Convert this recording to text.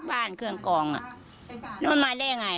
โดยยังคิดถึงเหรนเนาะต้องเรียกว่าเหรนหรือเปล่า